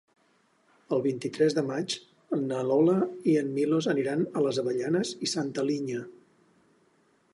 El vint-i-tres de maig na Lola i en Milos aniran a les Avellanes i Santa Linya.